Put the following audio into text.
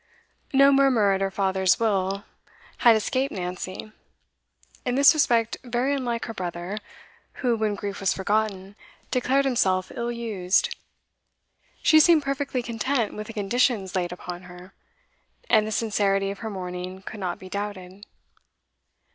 No murmur at her father's will had escaped Nancy, in this respect very unlike her brother, who, when grief was forgotten, declared himself ill used; she seemed perfectly content with the conditions laid upon her, and the sincerity of her mourning could not be doubted.